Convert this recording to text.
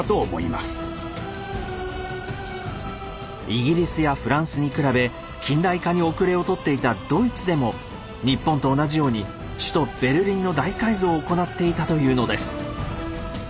イギリスやフランスに比べ近代化に後れを取っていたドイツでも日本と同じように首都ベルリンの大改造を行っていたというのです。